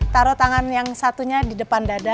taruh tangan yang satunya di depan dada